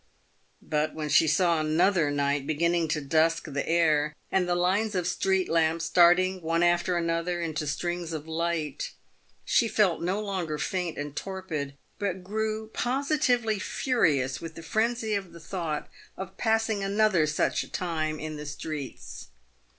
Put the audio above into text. But when she saw another night beginning to dusk the air, and the lines of street lamps starting one after another into strings of light, she felt no longer faint and torpid, but grew positively furious with the frenzy of the thought of passing another such a time in the streets.